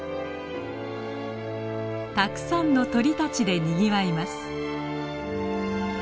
たくさんの鳥たちでにぎわいます。